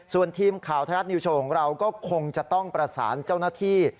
ส่วนทีมข่าวไทยรัฐนิวโชว์ของเราก็คงจะต้องประสานเจ้าหน้าที่